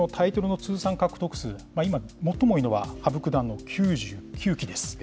タイトルの通算獲得数、今、最も多いのは羽生九段の９９期です。